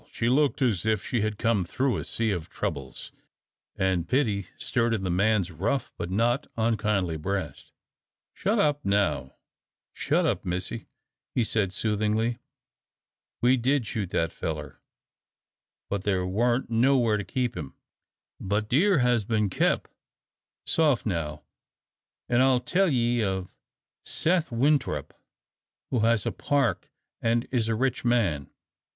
She looked as if she had come through a sea of troubles, and pity stirred in the man's rough but not unkindly breast. "Shut up now, shut up, missy," he said, soothingly. "We did shoot that feller, but thar warn't nowhere to keep him, but deer has bin kep'. Soft now, an' I'll tell ye of Seth Winthrop, who has a park an' is a rich man.